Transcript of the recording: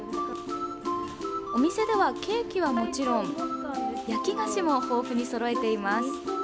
お店ではケーキはもちろん焼き菓子も豊富にそろえています。